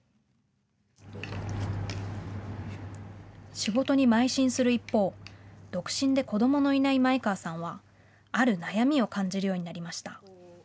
仕事にまい進する一方、独身で子どものいない前川さんはある悩みを感じるようになりました。